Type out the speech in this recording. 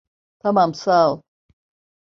Tamam, sağ ol.